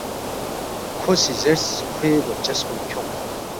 کھو سی زیرس، ”کھوے گونچس کُن کھیونگ